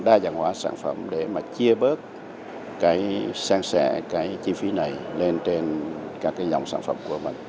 đa dạng hóa sản phẩm để mà chia bớt cái sang sẻ cái chi phí này lên trên các cái dòng sản phẩm của mình